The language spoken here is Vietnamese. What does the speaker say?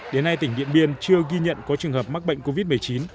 đến nay tỉnh điện biên chưa ghi nhận có trường hợp mắc bệnh covid một mươi chín